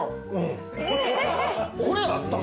これあったん？